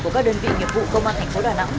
của các đơn vị nghiệp vụ công an tp đà nẵng